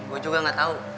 gue juga gak tau